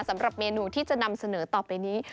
สำหรับเมนูที่จะนำเสนอต่อไปนี้